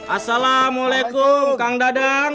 assalamualaikum kang dadang